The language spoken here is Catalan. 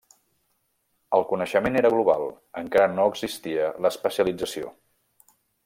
El coneixement era global, encara no existia l'especialització.